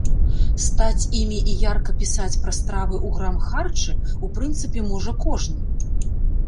Стаць імі і ярка пісаць пра стравы ў грамхарчы, у прынцыпе, можа кожны.